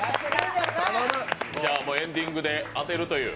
エンディングで当てるという。